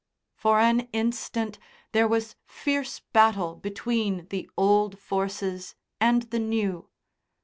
For an instant there was fierce battle between the old forces and the new.